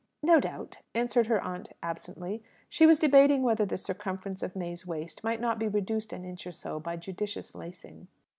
"No doubt," answered her aunt absently. She was debating whether the circumference of May's waist might not be reduced an inch or so by judicious lacing.